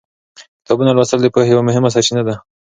کتابونه لوستل د پوهې یوه مهمه سرچینه ده.